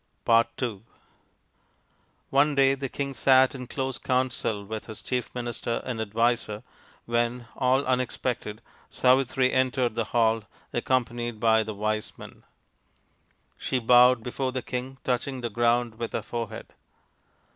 ii One day the king sat in close counsel with his chief minister and adviser, when, all unexpected, Savitri entered the hall, accompanied by the wise men. She bowed before the king, touching the ground with her forehead.